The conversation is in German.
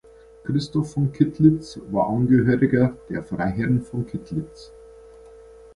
Christoph von Kittlitz war Angehöriger der Freiherrn von Kittlitz.